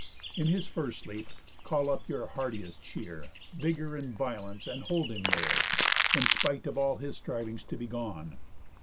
In his first sleep, call up your hardiest cheer, Vigour and violence, and hold him there, In spite of all his strivings to be gone.